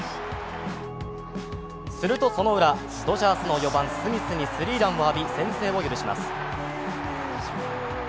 するとその裏、ドジャースの４番・スミスにスリーランを浴び、先制を許します。